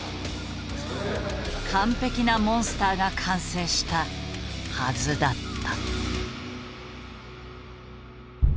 完璧なモンスターが完成したはずだった。